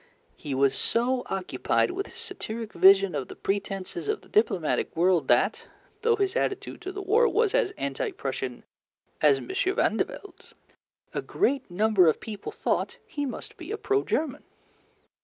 He was so occupied with his satiric vision of the pretences of the diplomatic world that, though his attitude to the war was as anti Prussian as M. Vandervelde's, a great number of people thought he must be a pro German.